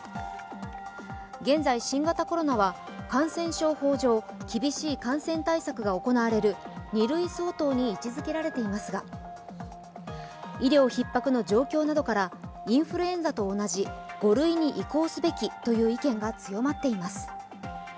現在、新型コロナは感染法上厳しい感染対策が行われる２類相当に位置づけられていますが医療ひっ迫の状況などからインフルエンザと同じ５類に移行すべきとの意見が強まっています。